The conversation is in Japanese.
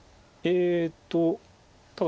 えっと